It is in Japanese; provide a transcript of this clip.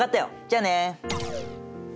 じゃあね。